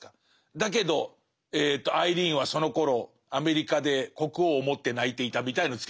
だけどアイリーンはそのころアメリカで国王を思って泣いていたみたいなのつけるじゃないですか。